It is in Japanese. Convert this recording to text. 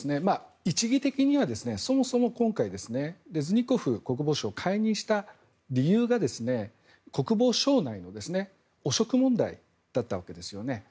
一義的にはそもそも今回レズニコフ国防相を解任した理由が国防省内の汚職問題だったわけですよね。